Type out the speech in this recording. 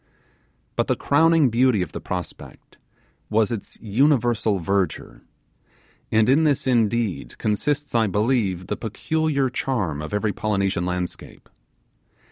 But the crowning beauty of the prospect was its universal verdure; and in this indeed consists, I believe, the peculiar charm of every Polynesian landscape.